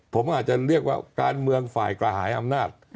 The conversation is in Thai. ผมอาจจะเรียกว่าการเมืองฝ่ายกระหายอำนาจ